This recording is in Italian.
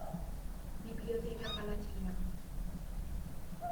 Biblioteca palatina